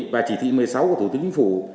và chỉ thị một mươi sáu của thủ tướng chính phủ